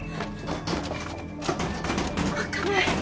開かない。